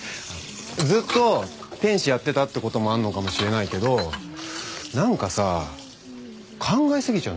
ずっと天使やってたってこともあんのかもしれないけど何かさ考え過ぎちゃうんだよね俺。